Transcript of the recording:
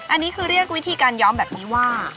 อันนี้คือเรียกวิธีการย้อมแบบนี้ว่า